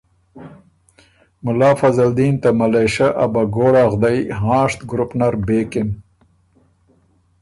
مُلا فضلدین ته ملېشۀ ا بهګوړا غدئ هانشت ګروپ نر بېکِن